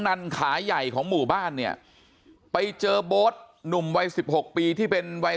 นันขาใหญ่ของหมู่บ้านเนี่ยไปเจอโบ๊ทหนุ่มวัยสิบหกปีที่เป็นวัย